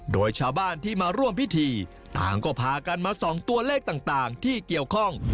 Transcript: โดยชาวบ้านที่มาร่วมพิธีต่างก็พากันมาส่องตัวเลขต่างที่เกี่ยวข้อง